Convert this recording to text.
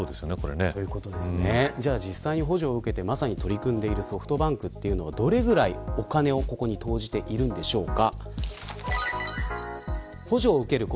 実際に補助を受けて取り組んでいるソフトバンクはどれぐらいお金を投じているんでしょうか。